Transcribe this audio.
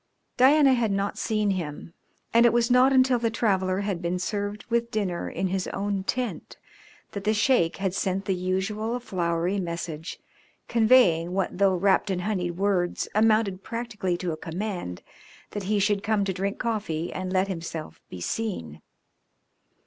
Diana had not seen him, and it was not until the traveller had been served with dinner in his own tent that the Sheik had sent the usual flowery message conveying what, though wrapped in honeyed words, amounted practically to a command that he should come to drink coffee and let himself be seen.